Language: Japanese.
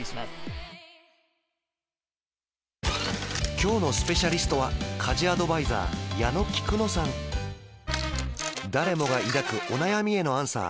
今日のスペシャリストは誰もが抱くお悩みへのアンサー